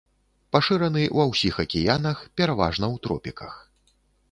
Пашыраны ва ўсіх акіянах, пераважна ў тропіках.